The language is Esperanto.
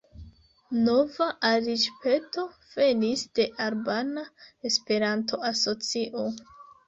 Nova aliĝpeto venis de Albana Esperanto-Asocio.